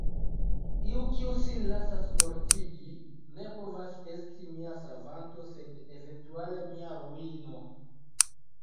Iu kiu sin lasas mortigi ne povas esti mia savanto, sed eventuale mia ruino.